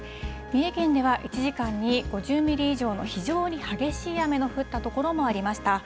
三重県では１時間に５０ミリ以上の非常に激しい雨の降った所もありました。